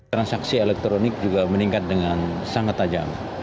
transaksi elektronik juga meningkat dengan sangat tajam